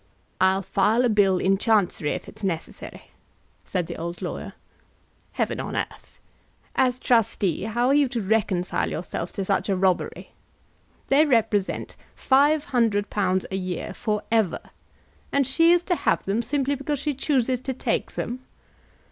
"I'll file a bill in Chancery if it's necessary," said the old lawyer. "Heaven on earth! as trustee how are you to reconcile yourself to such a robbery? They represent £500 a year for ever, and she is to have them simply because she chooses to take them!"